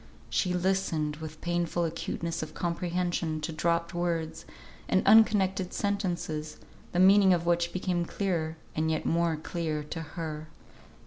She listened with painful acuteness of comprehension to dropped words and unconnected sentences, the meaning of which became clearer, and yet more clear to her.